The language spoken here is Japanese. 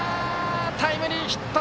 タイムリーヒット！